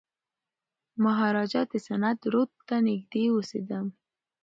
مهاراجا د سند رود ته نږدې اوسېده.